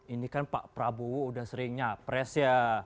ini kan pak prabowo udah sering nyapres ya